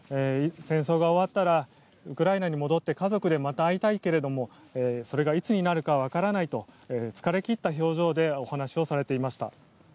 戦争が終わったらウクライナに戻って家族でまた会いたいけれどもそれがいつになるかは分からないと疲れ切った表情でお話をされていました。